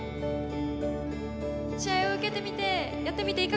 試合を受けてみてやってみていかがでしたか？